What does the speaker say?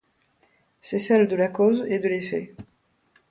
C'est celle de la cause et de l'effet.